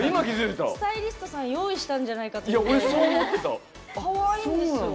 スタイリストさん用意したんじゃないかみたいな。